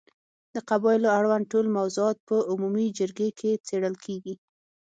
د قبایلو اړوند ټول موضوعات په عمومي جرګې کې څېړل کېږي.